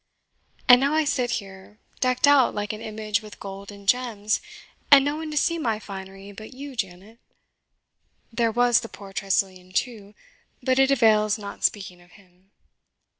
And now I sit here, decked out like an image with gold and gems, and no one to see my finery but you, Janet. There was the poor Tressilian, too but it avails not speaking of him."